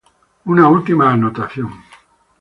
Una última anotación.